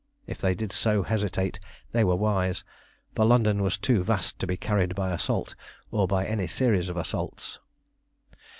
If they did so hesitate they were wise, for London was too vast to be carried by assault or by any series of assaults.